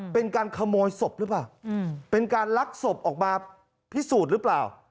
เป็นการขโมยศพหรือเปล่าเป็นการลักศพออกมาพิสูจน์หรือเปล่า